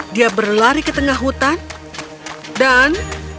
dia berlari ke tengah hutan dan